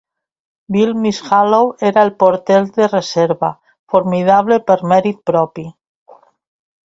Bill Mishalow era el porter de reserva, formidable per mèrit propi.